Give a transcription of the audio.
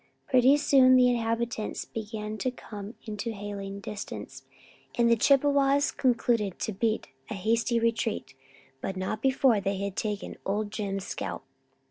Pretty soon the inhabitants began to come into hailing distance and the Chippewas concluded to beat a hasty retreat but not before they had taken Old Jim's scalp.